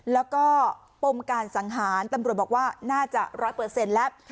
แล้วก็ปมการสังหารตำรวจบอกว่าน่าจะ๑๐๐แล้ว